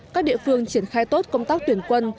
các địa phương triển khai tốt công tác tuyển quân